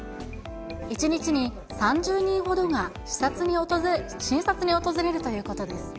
１日に３０人ほどが診察に訪れるということです。